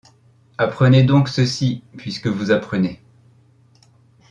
Apprenez donc ceci puisque vous apprenez :